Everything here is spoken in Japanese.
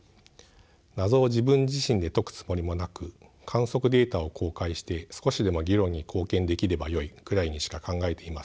謎を自分自身で解くつもりもなく観測データを公開して少しでも議論に貢献できればよいくらいにしか考えていませんでした。